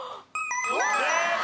正解！